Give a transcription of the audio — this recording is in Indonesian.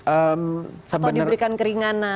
atau diberikan keringanan